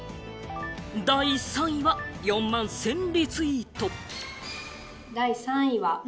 第３位は４万１０００リツイート。